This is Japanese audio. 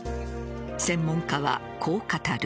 専門家は、こう語る。